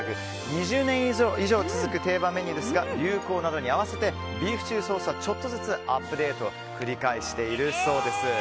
２０年以上続く定番メニューですが流行などに合わせてビーフシチューソースはちょっとずつアップデートを繰り返しているそうです。